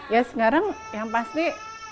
ya sekarang yang pasti